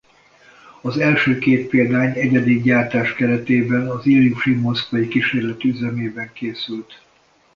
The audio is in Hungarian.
Az első két példány egyedi gyártás keretében az Iljusin moszkvai kísérleti üzemében készült.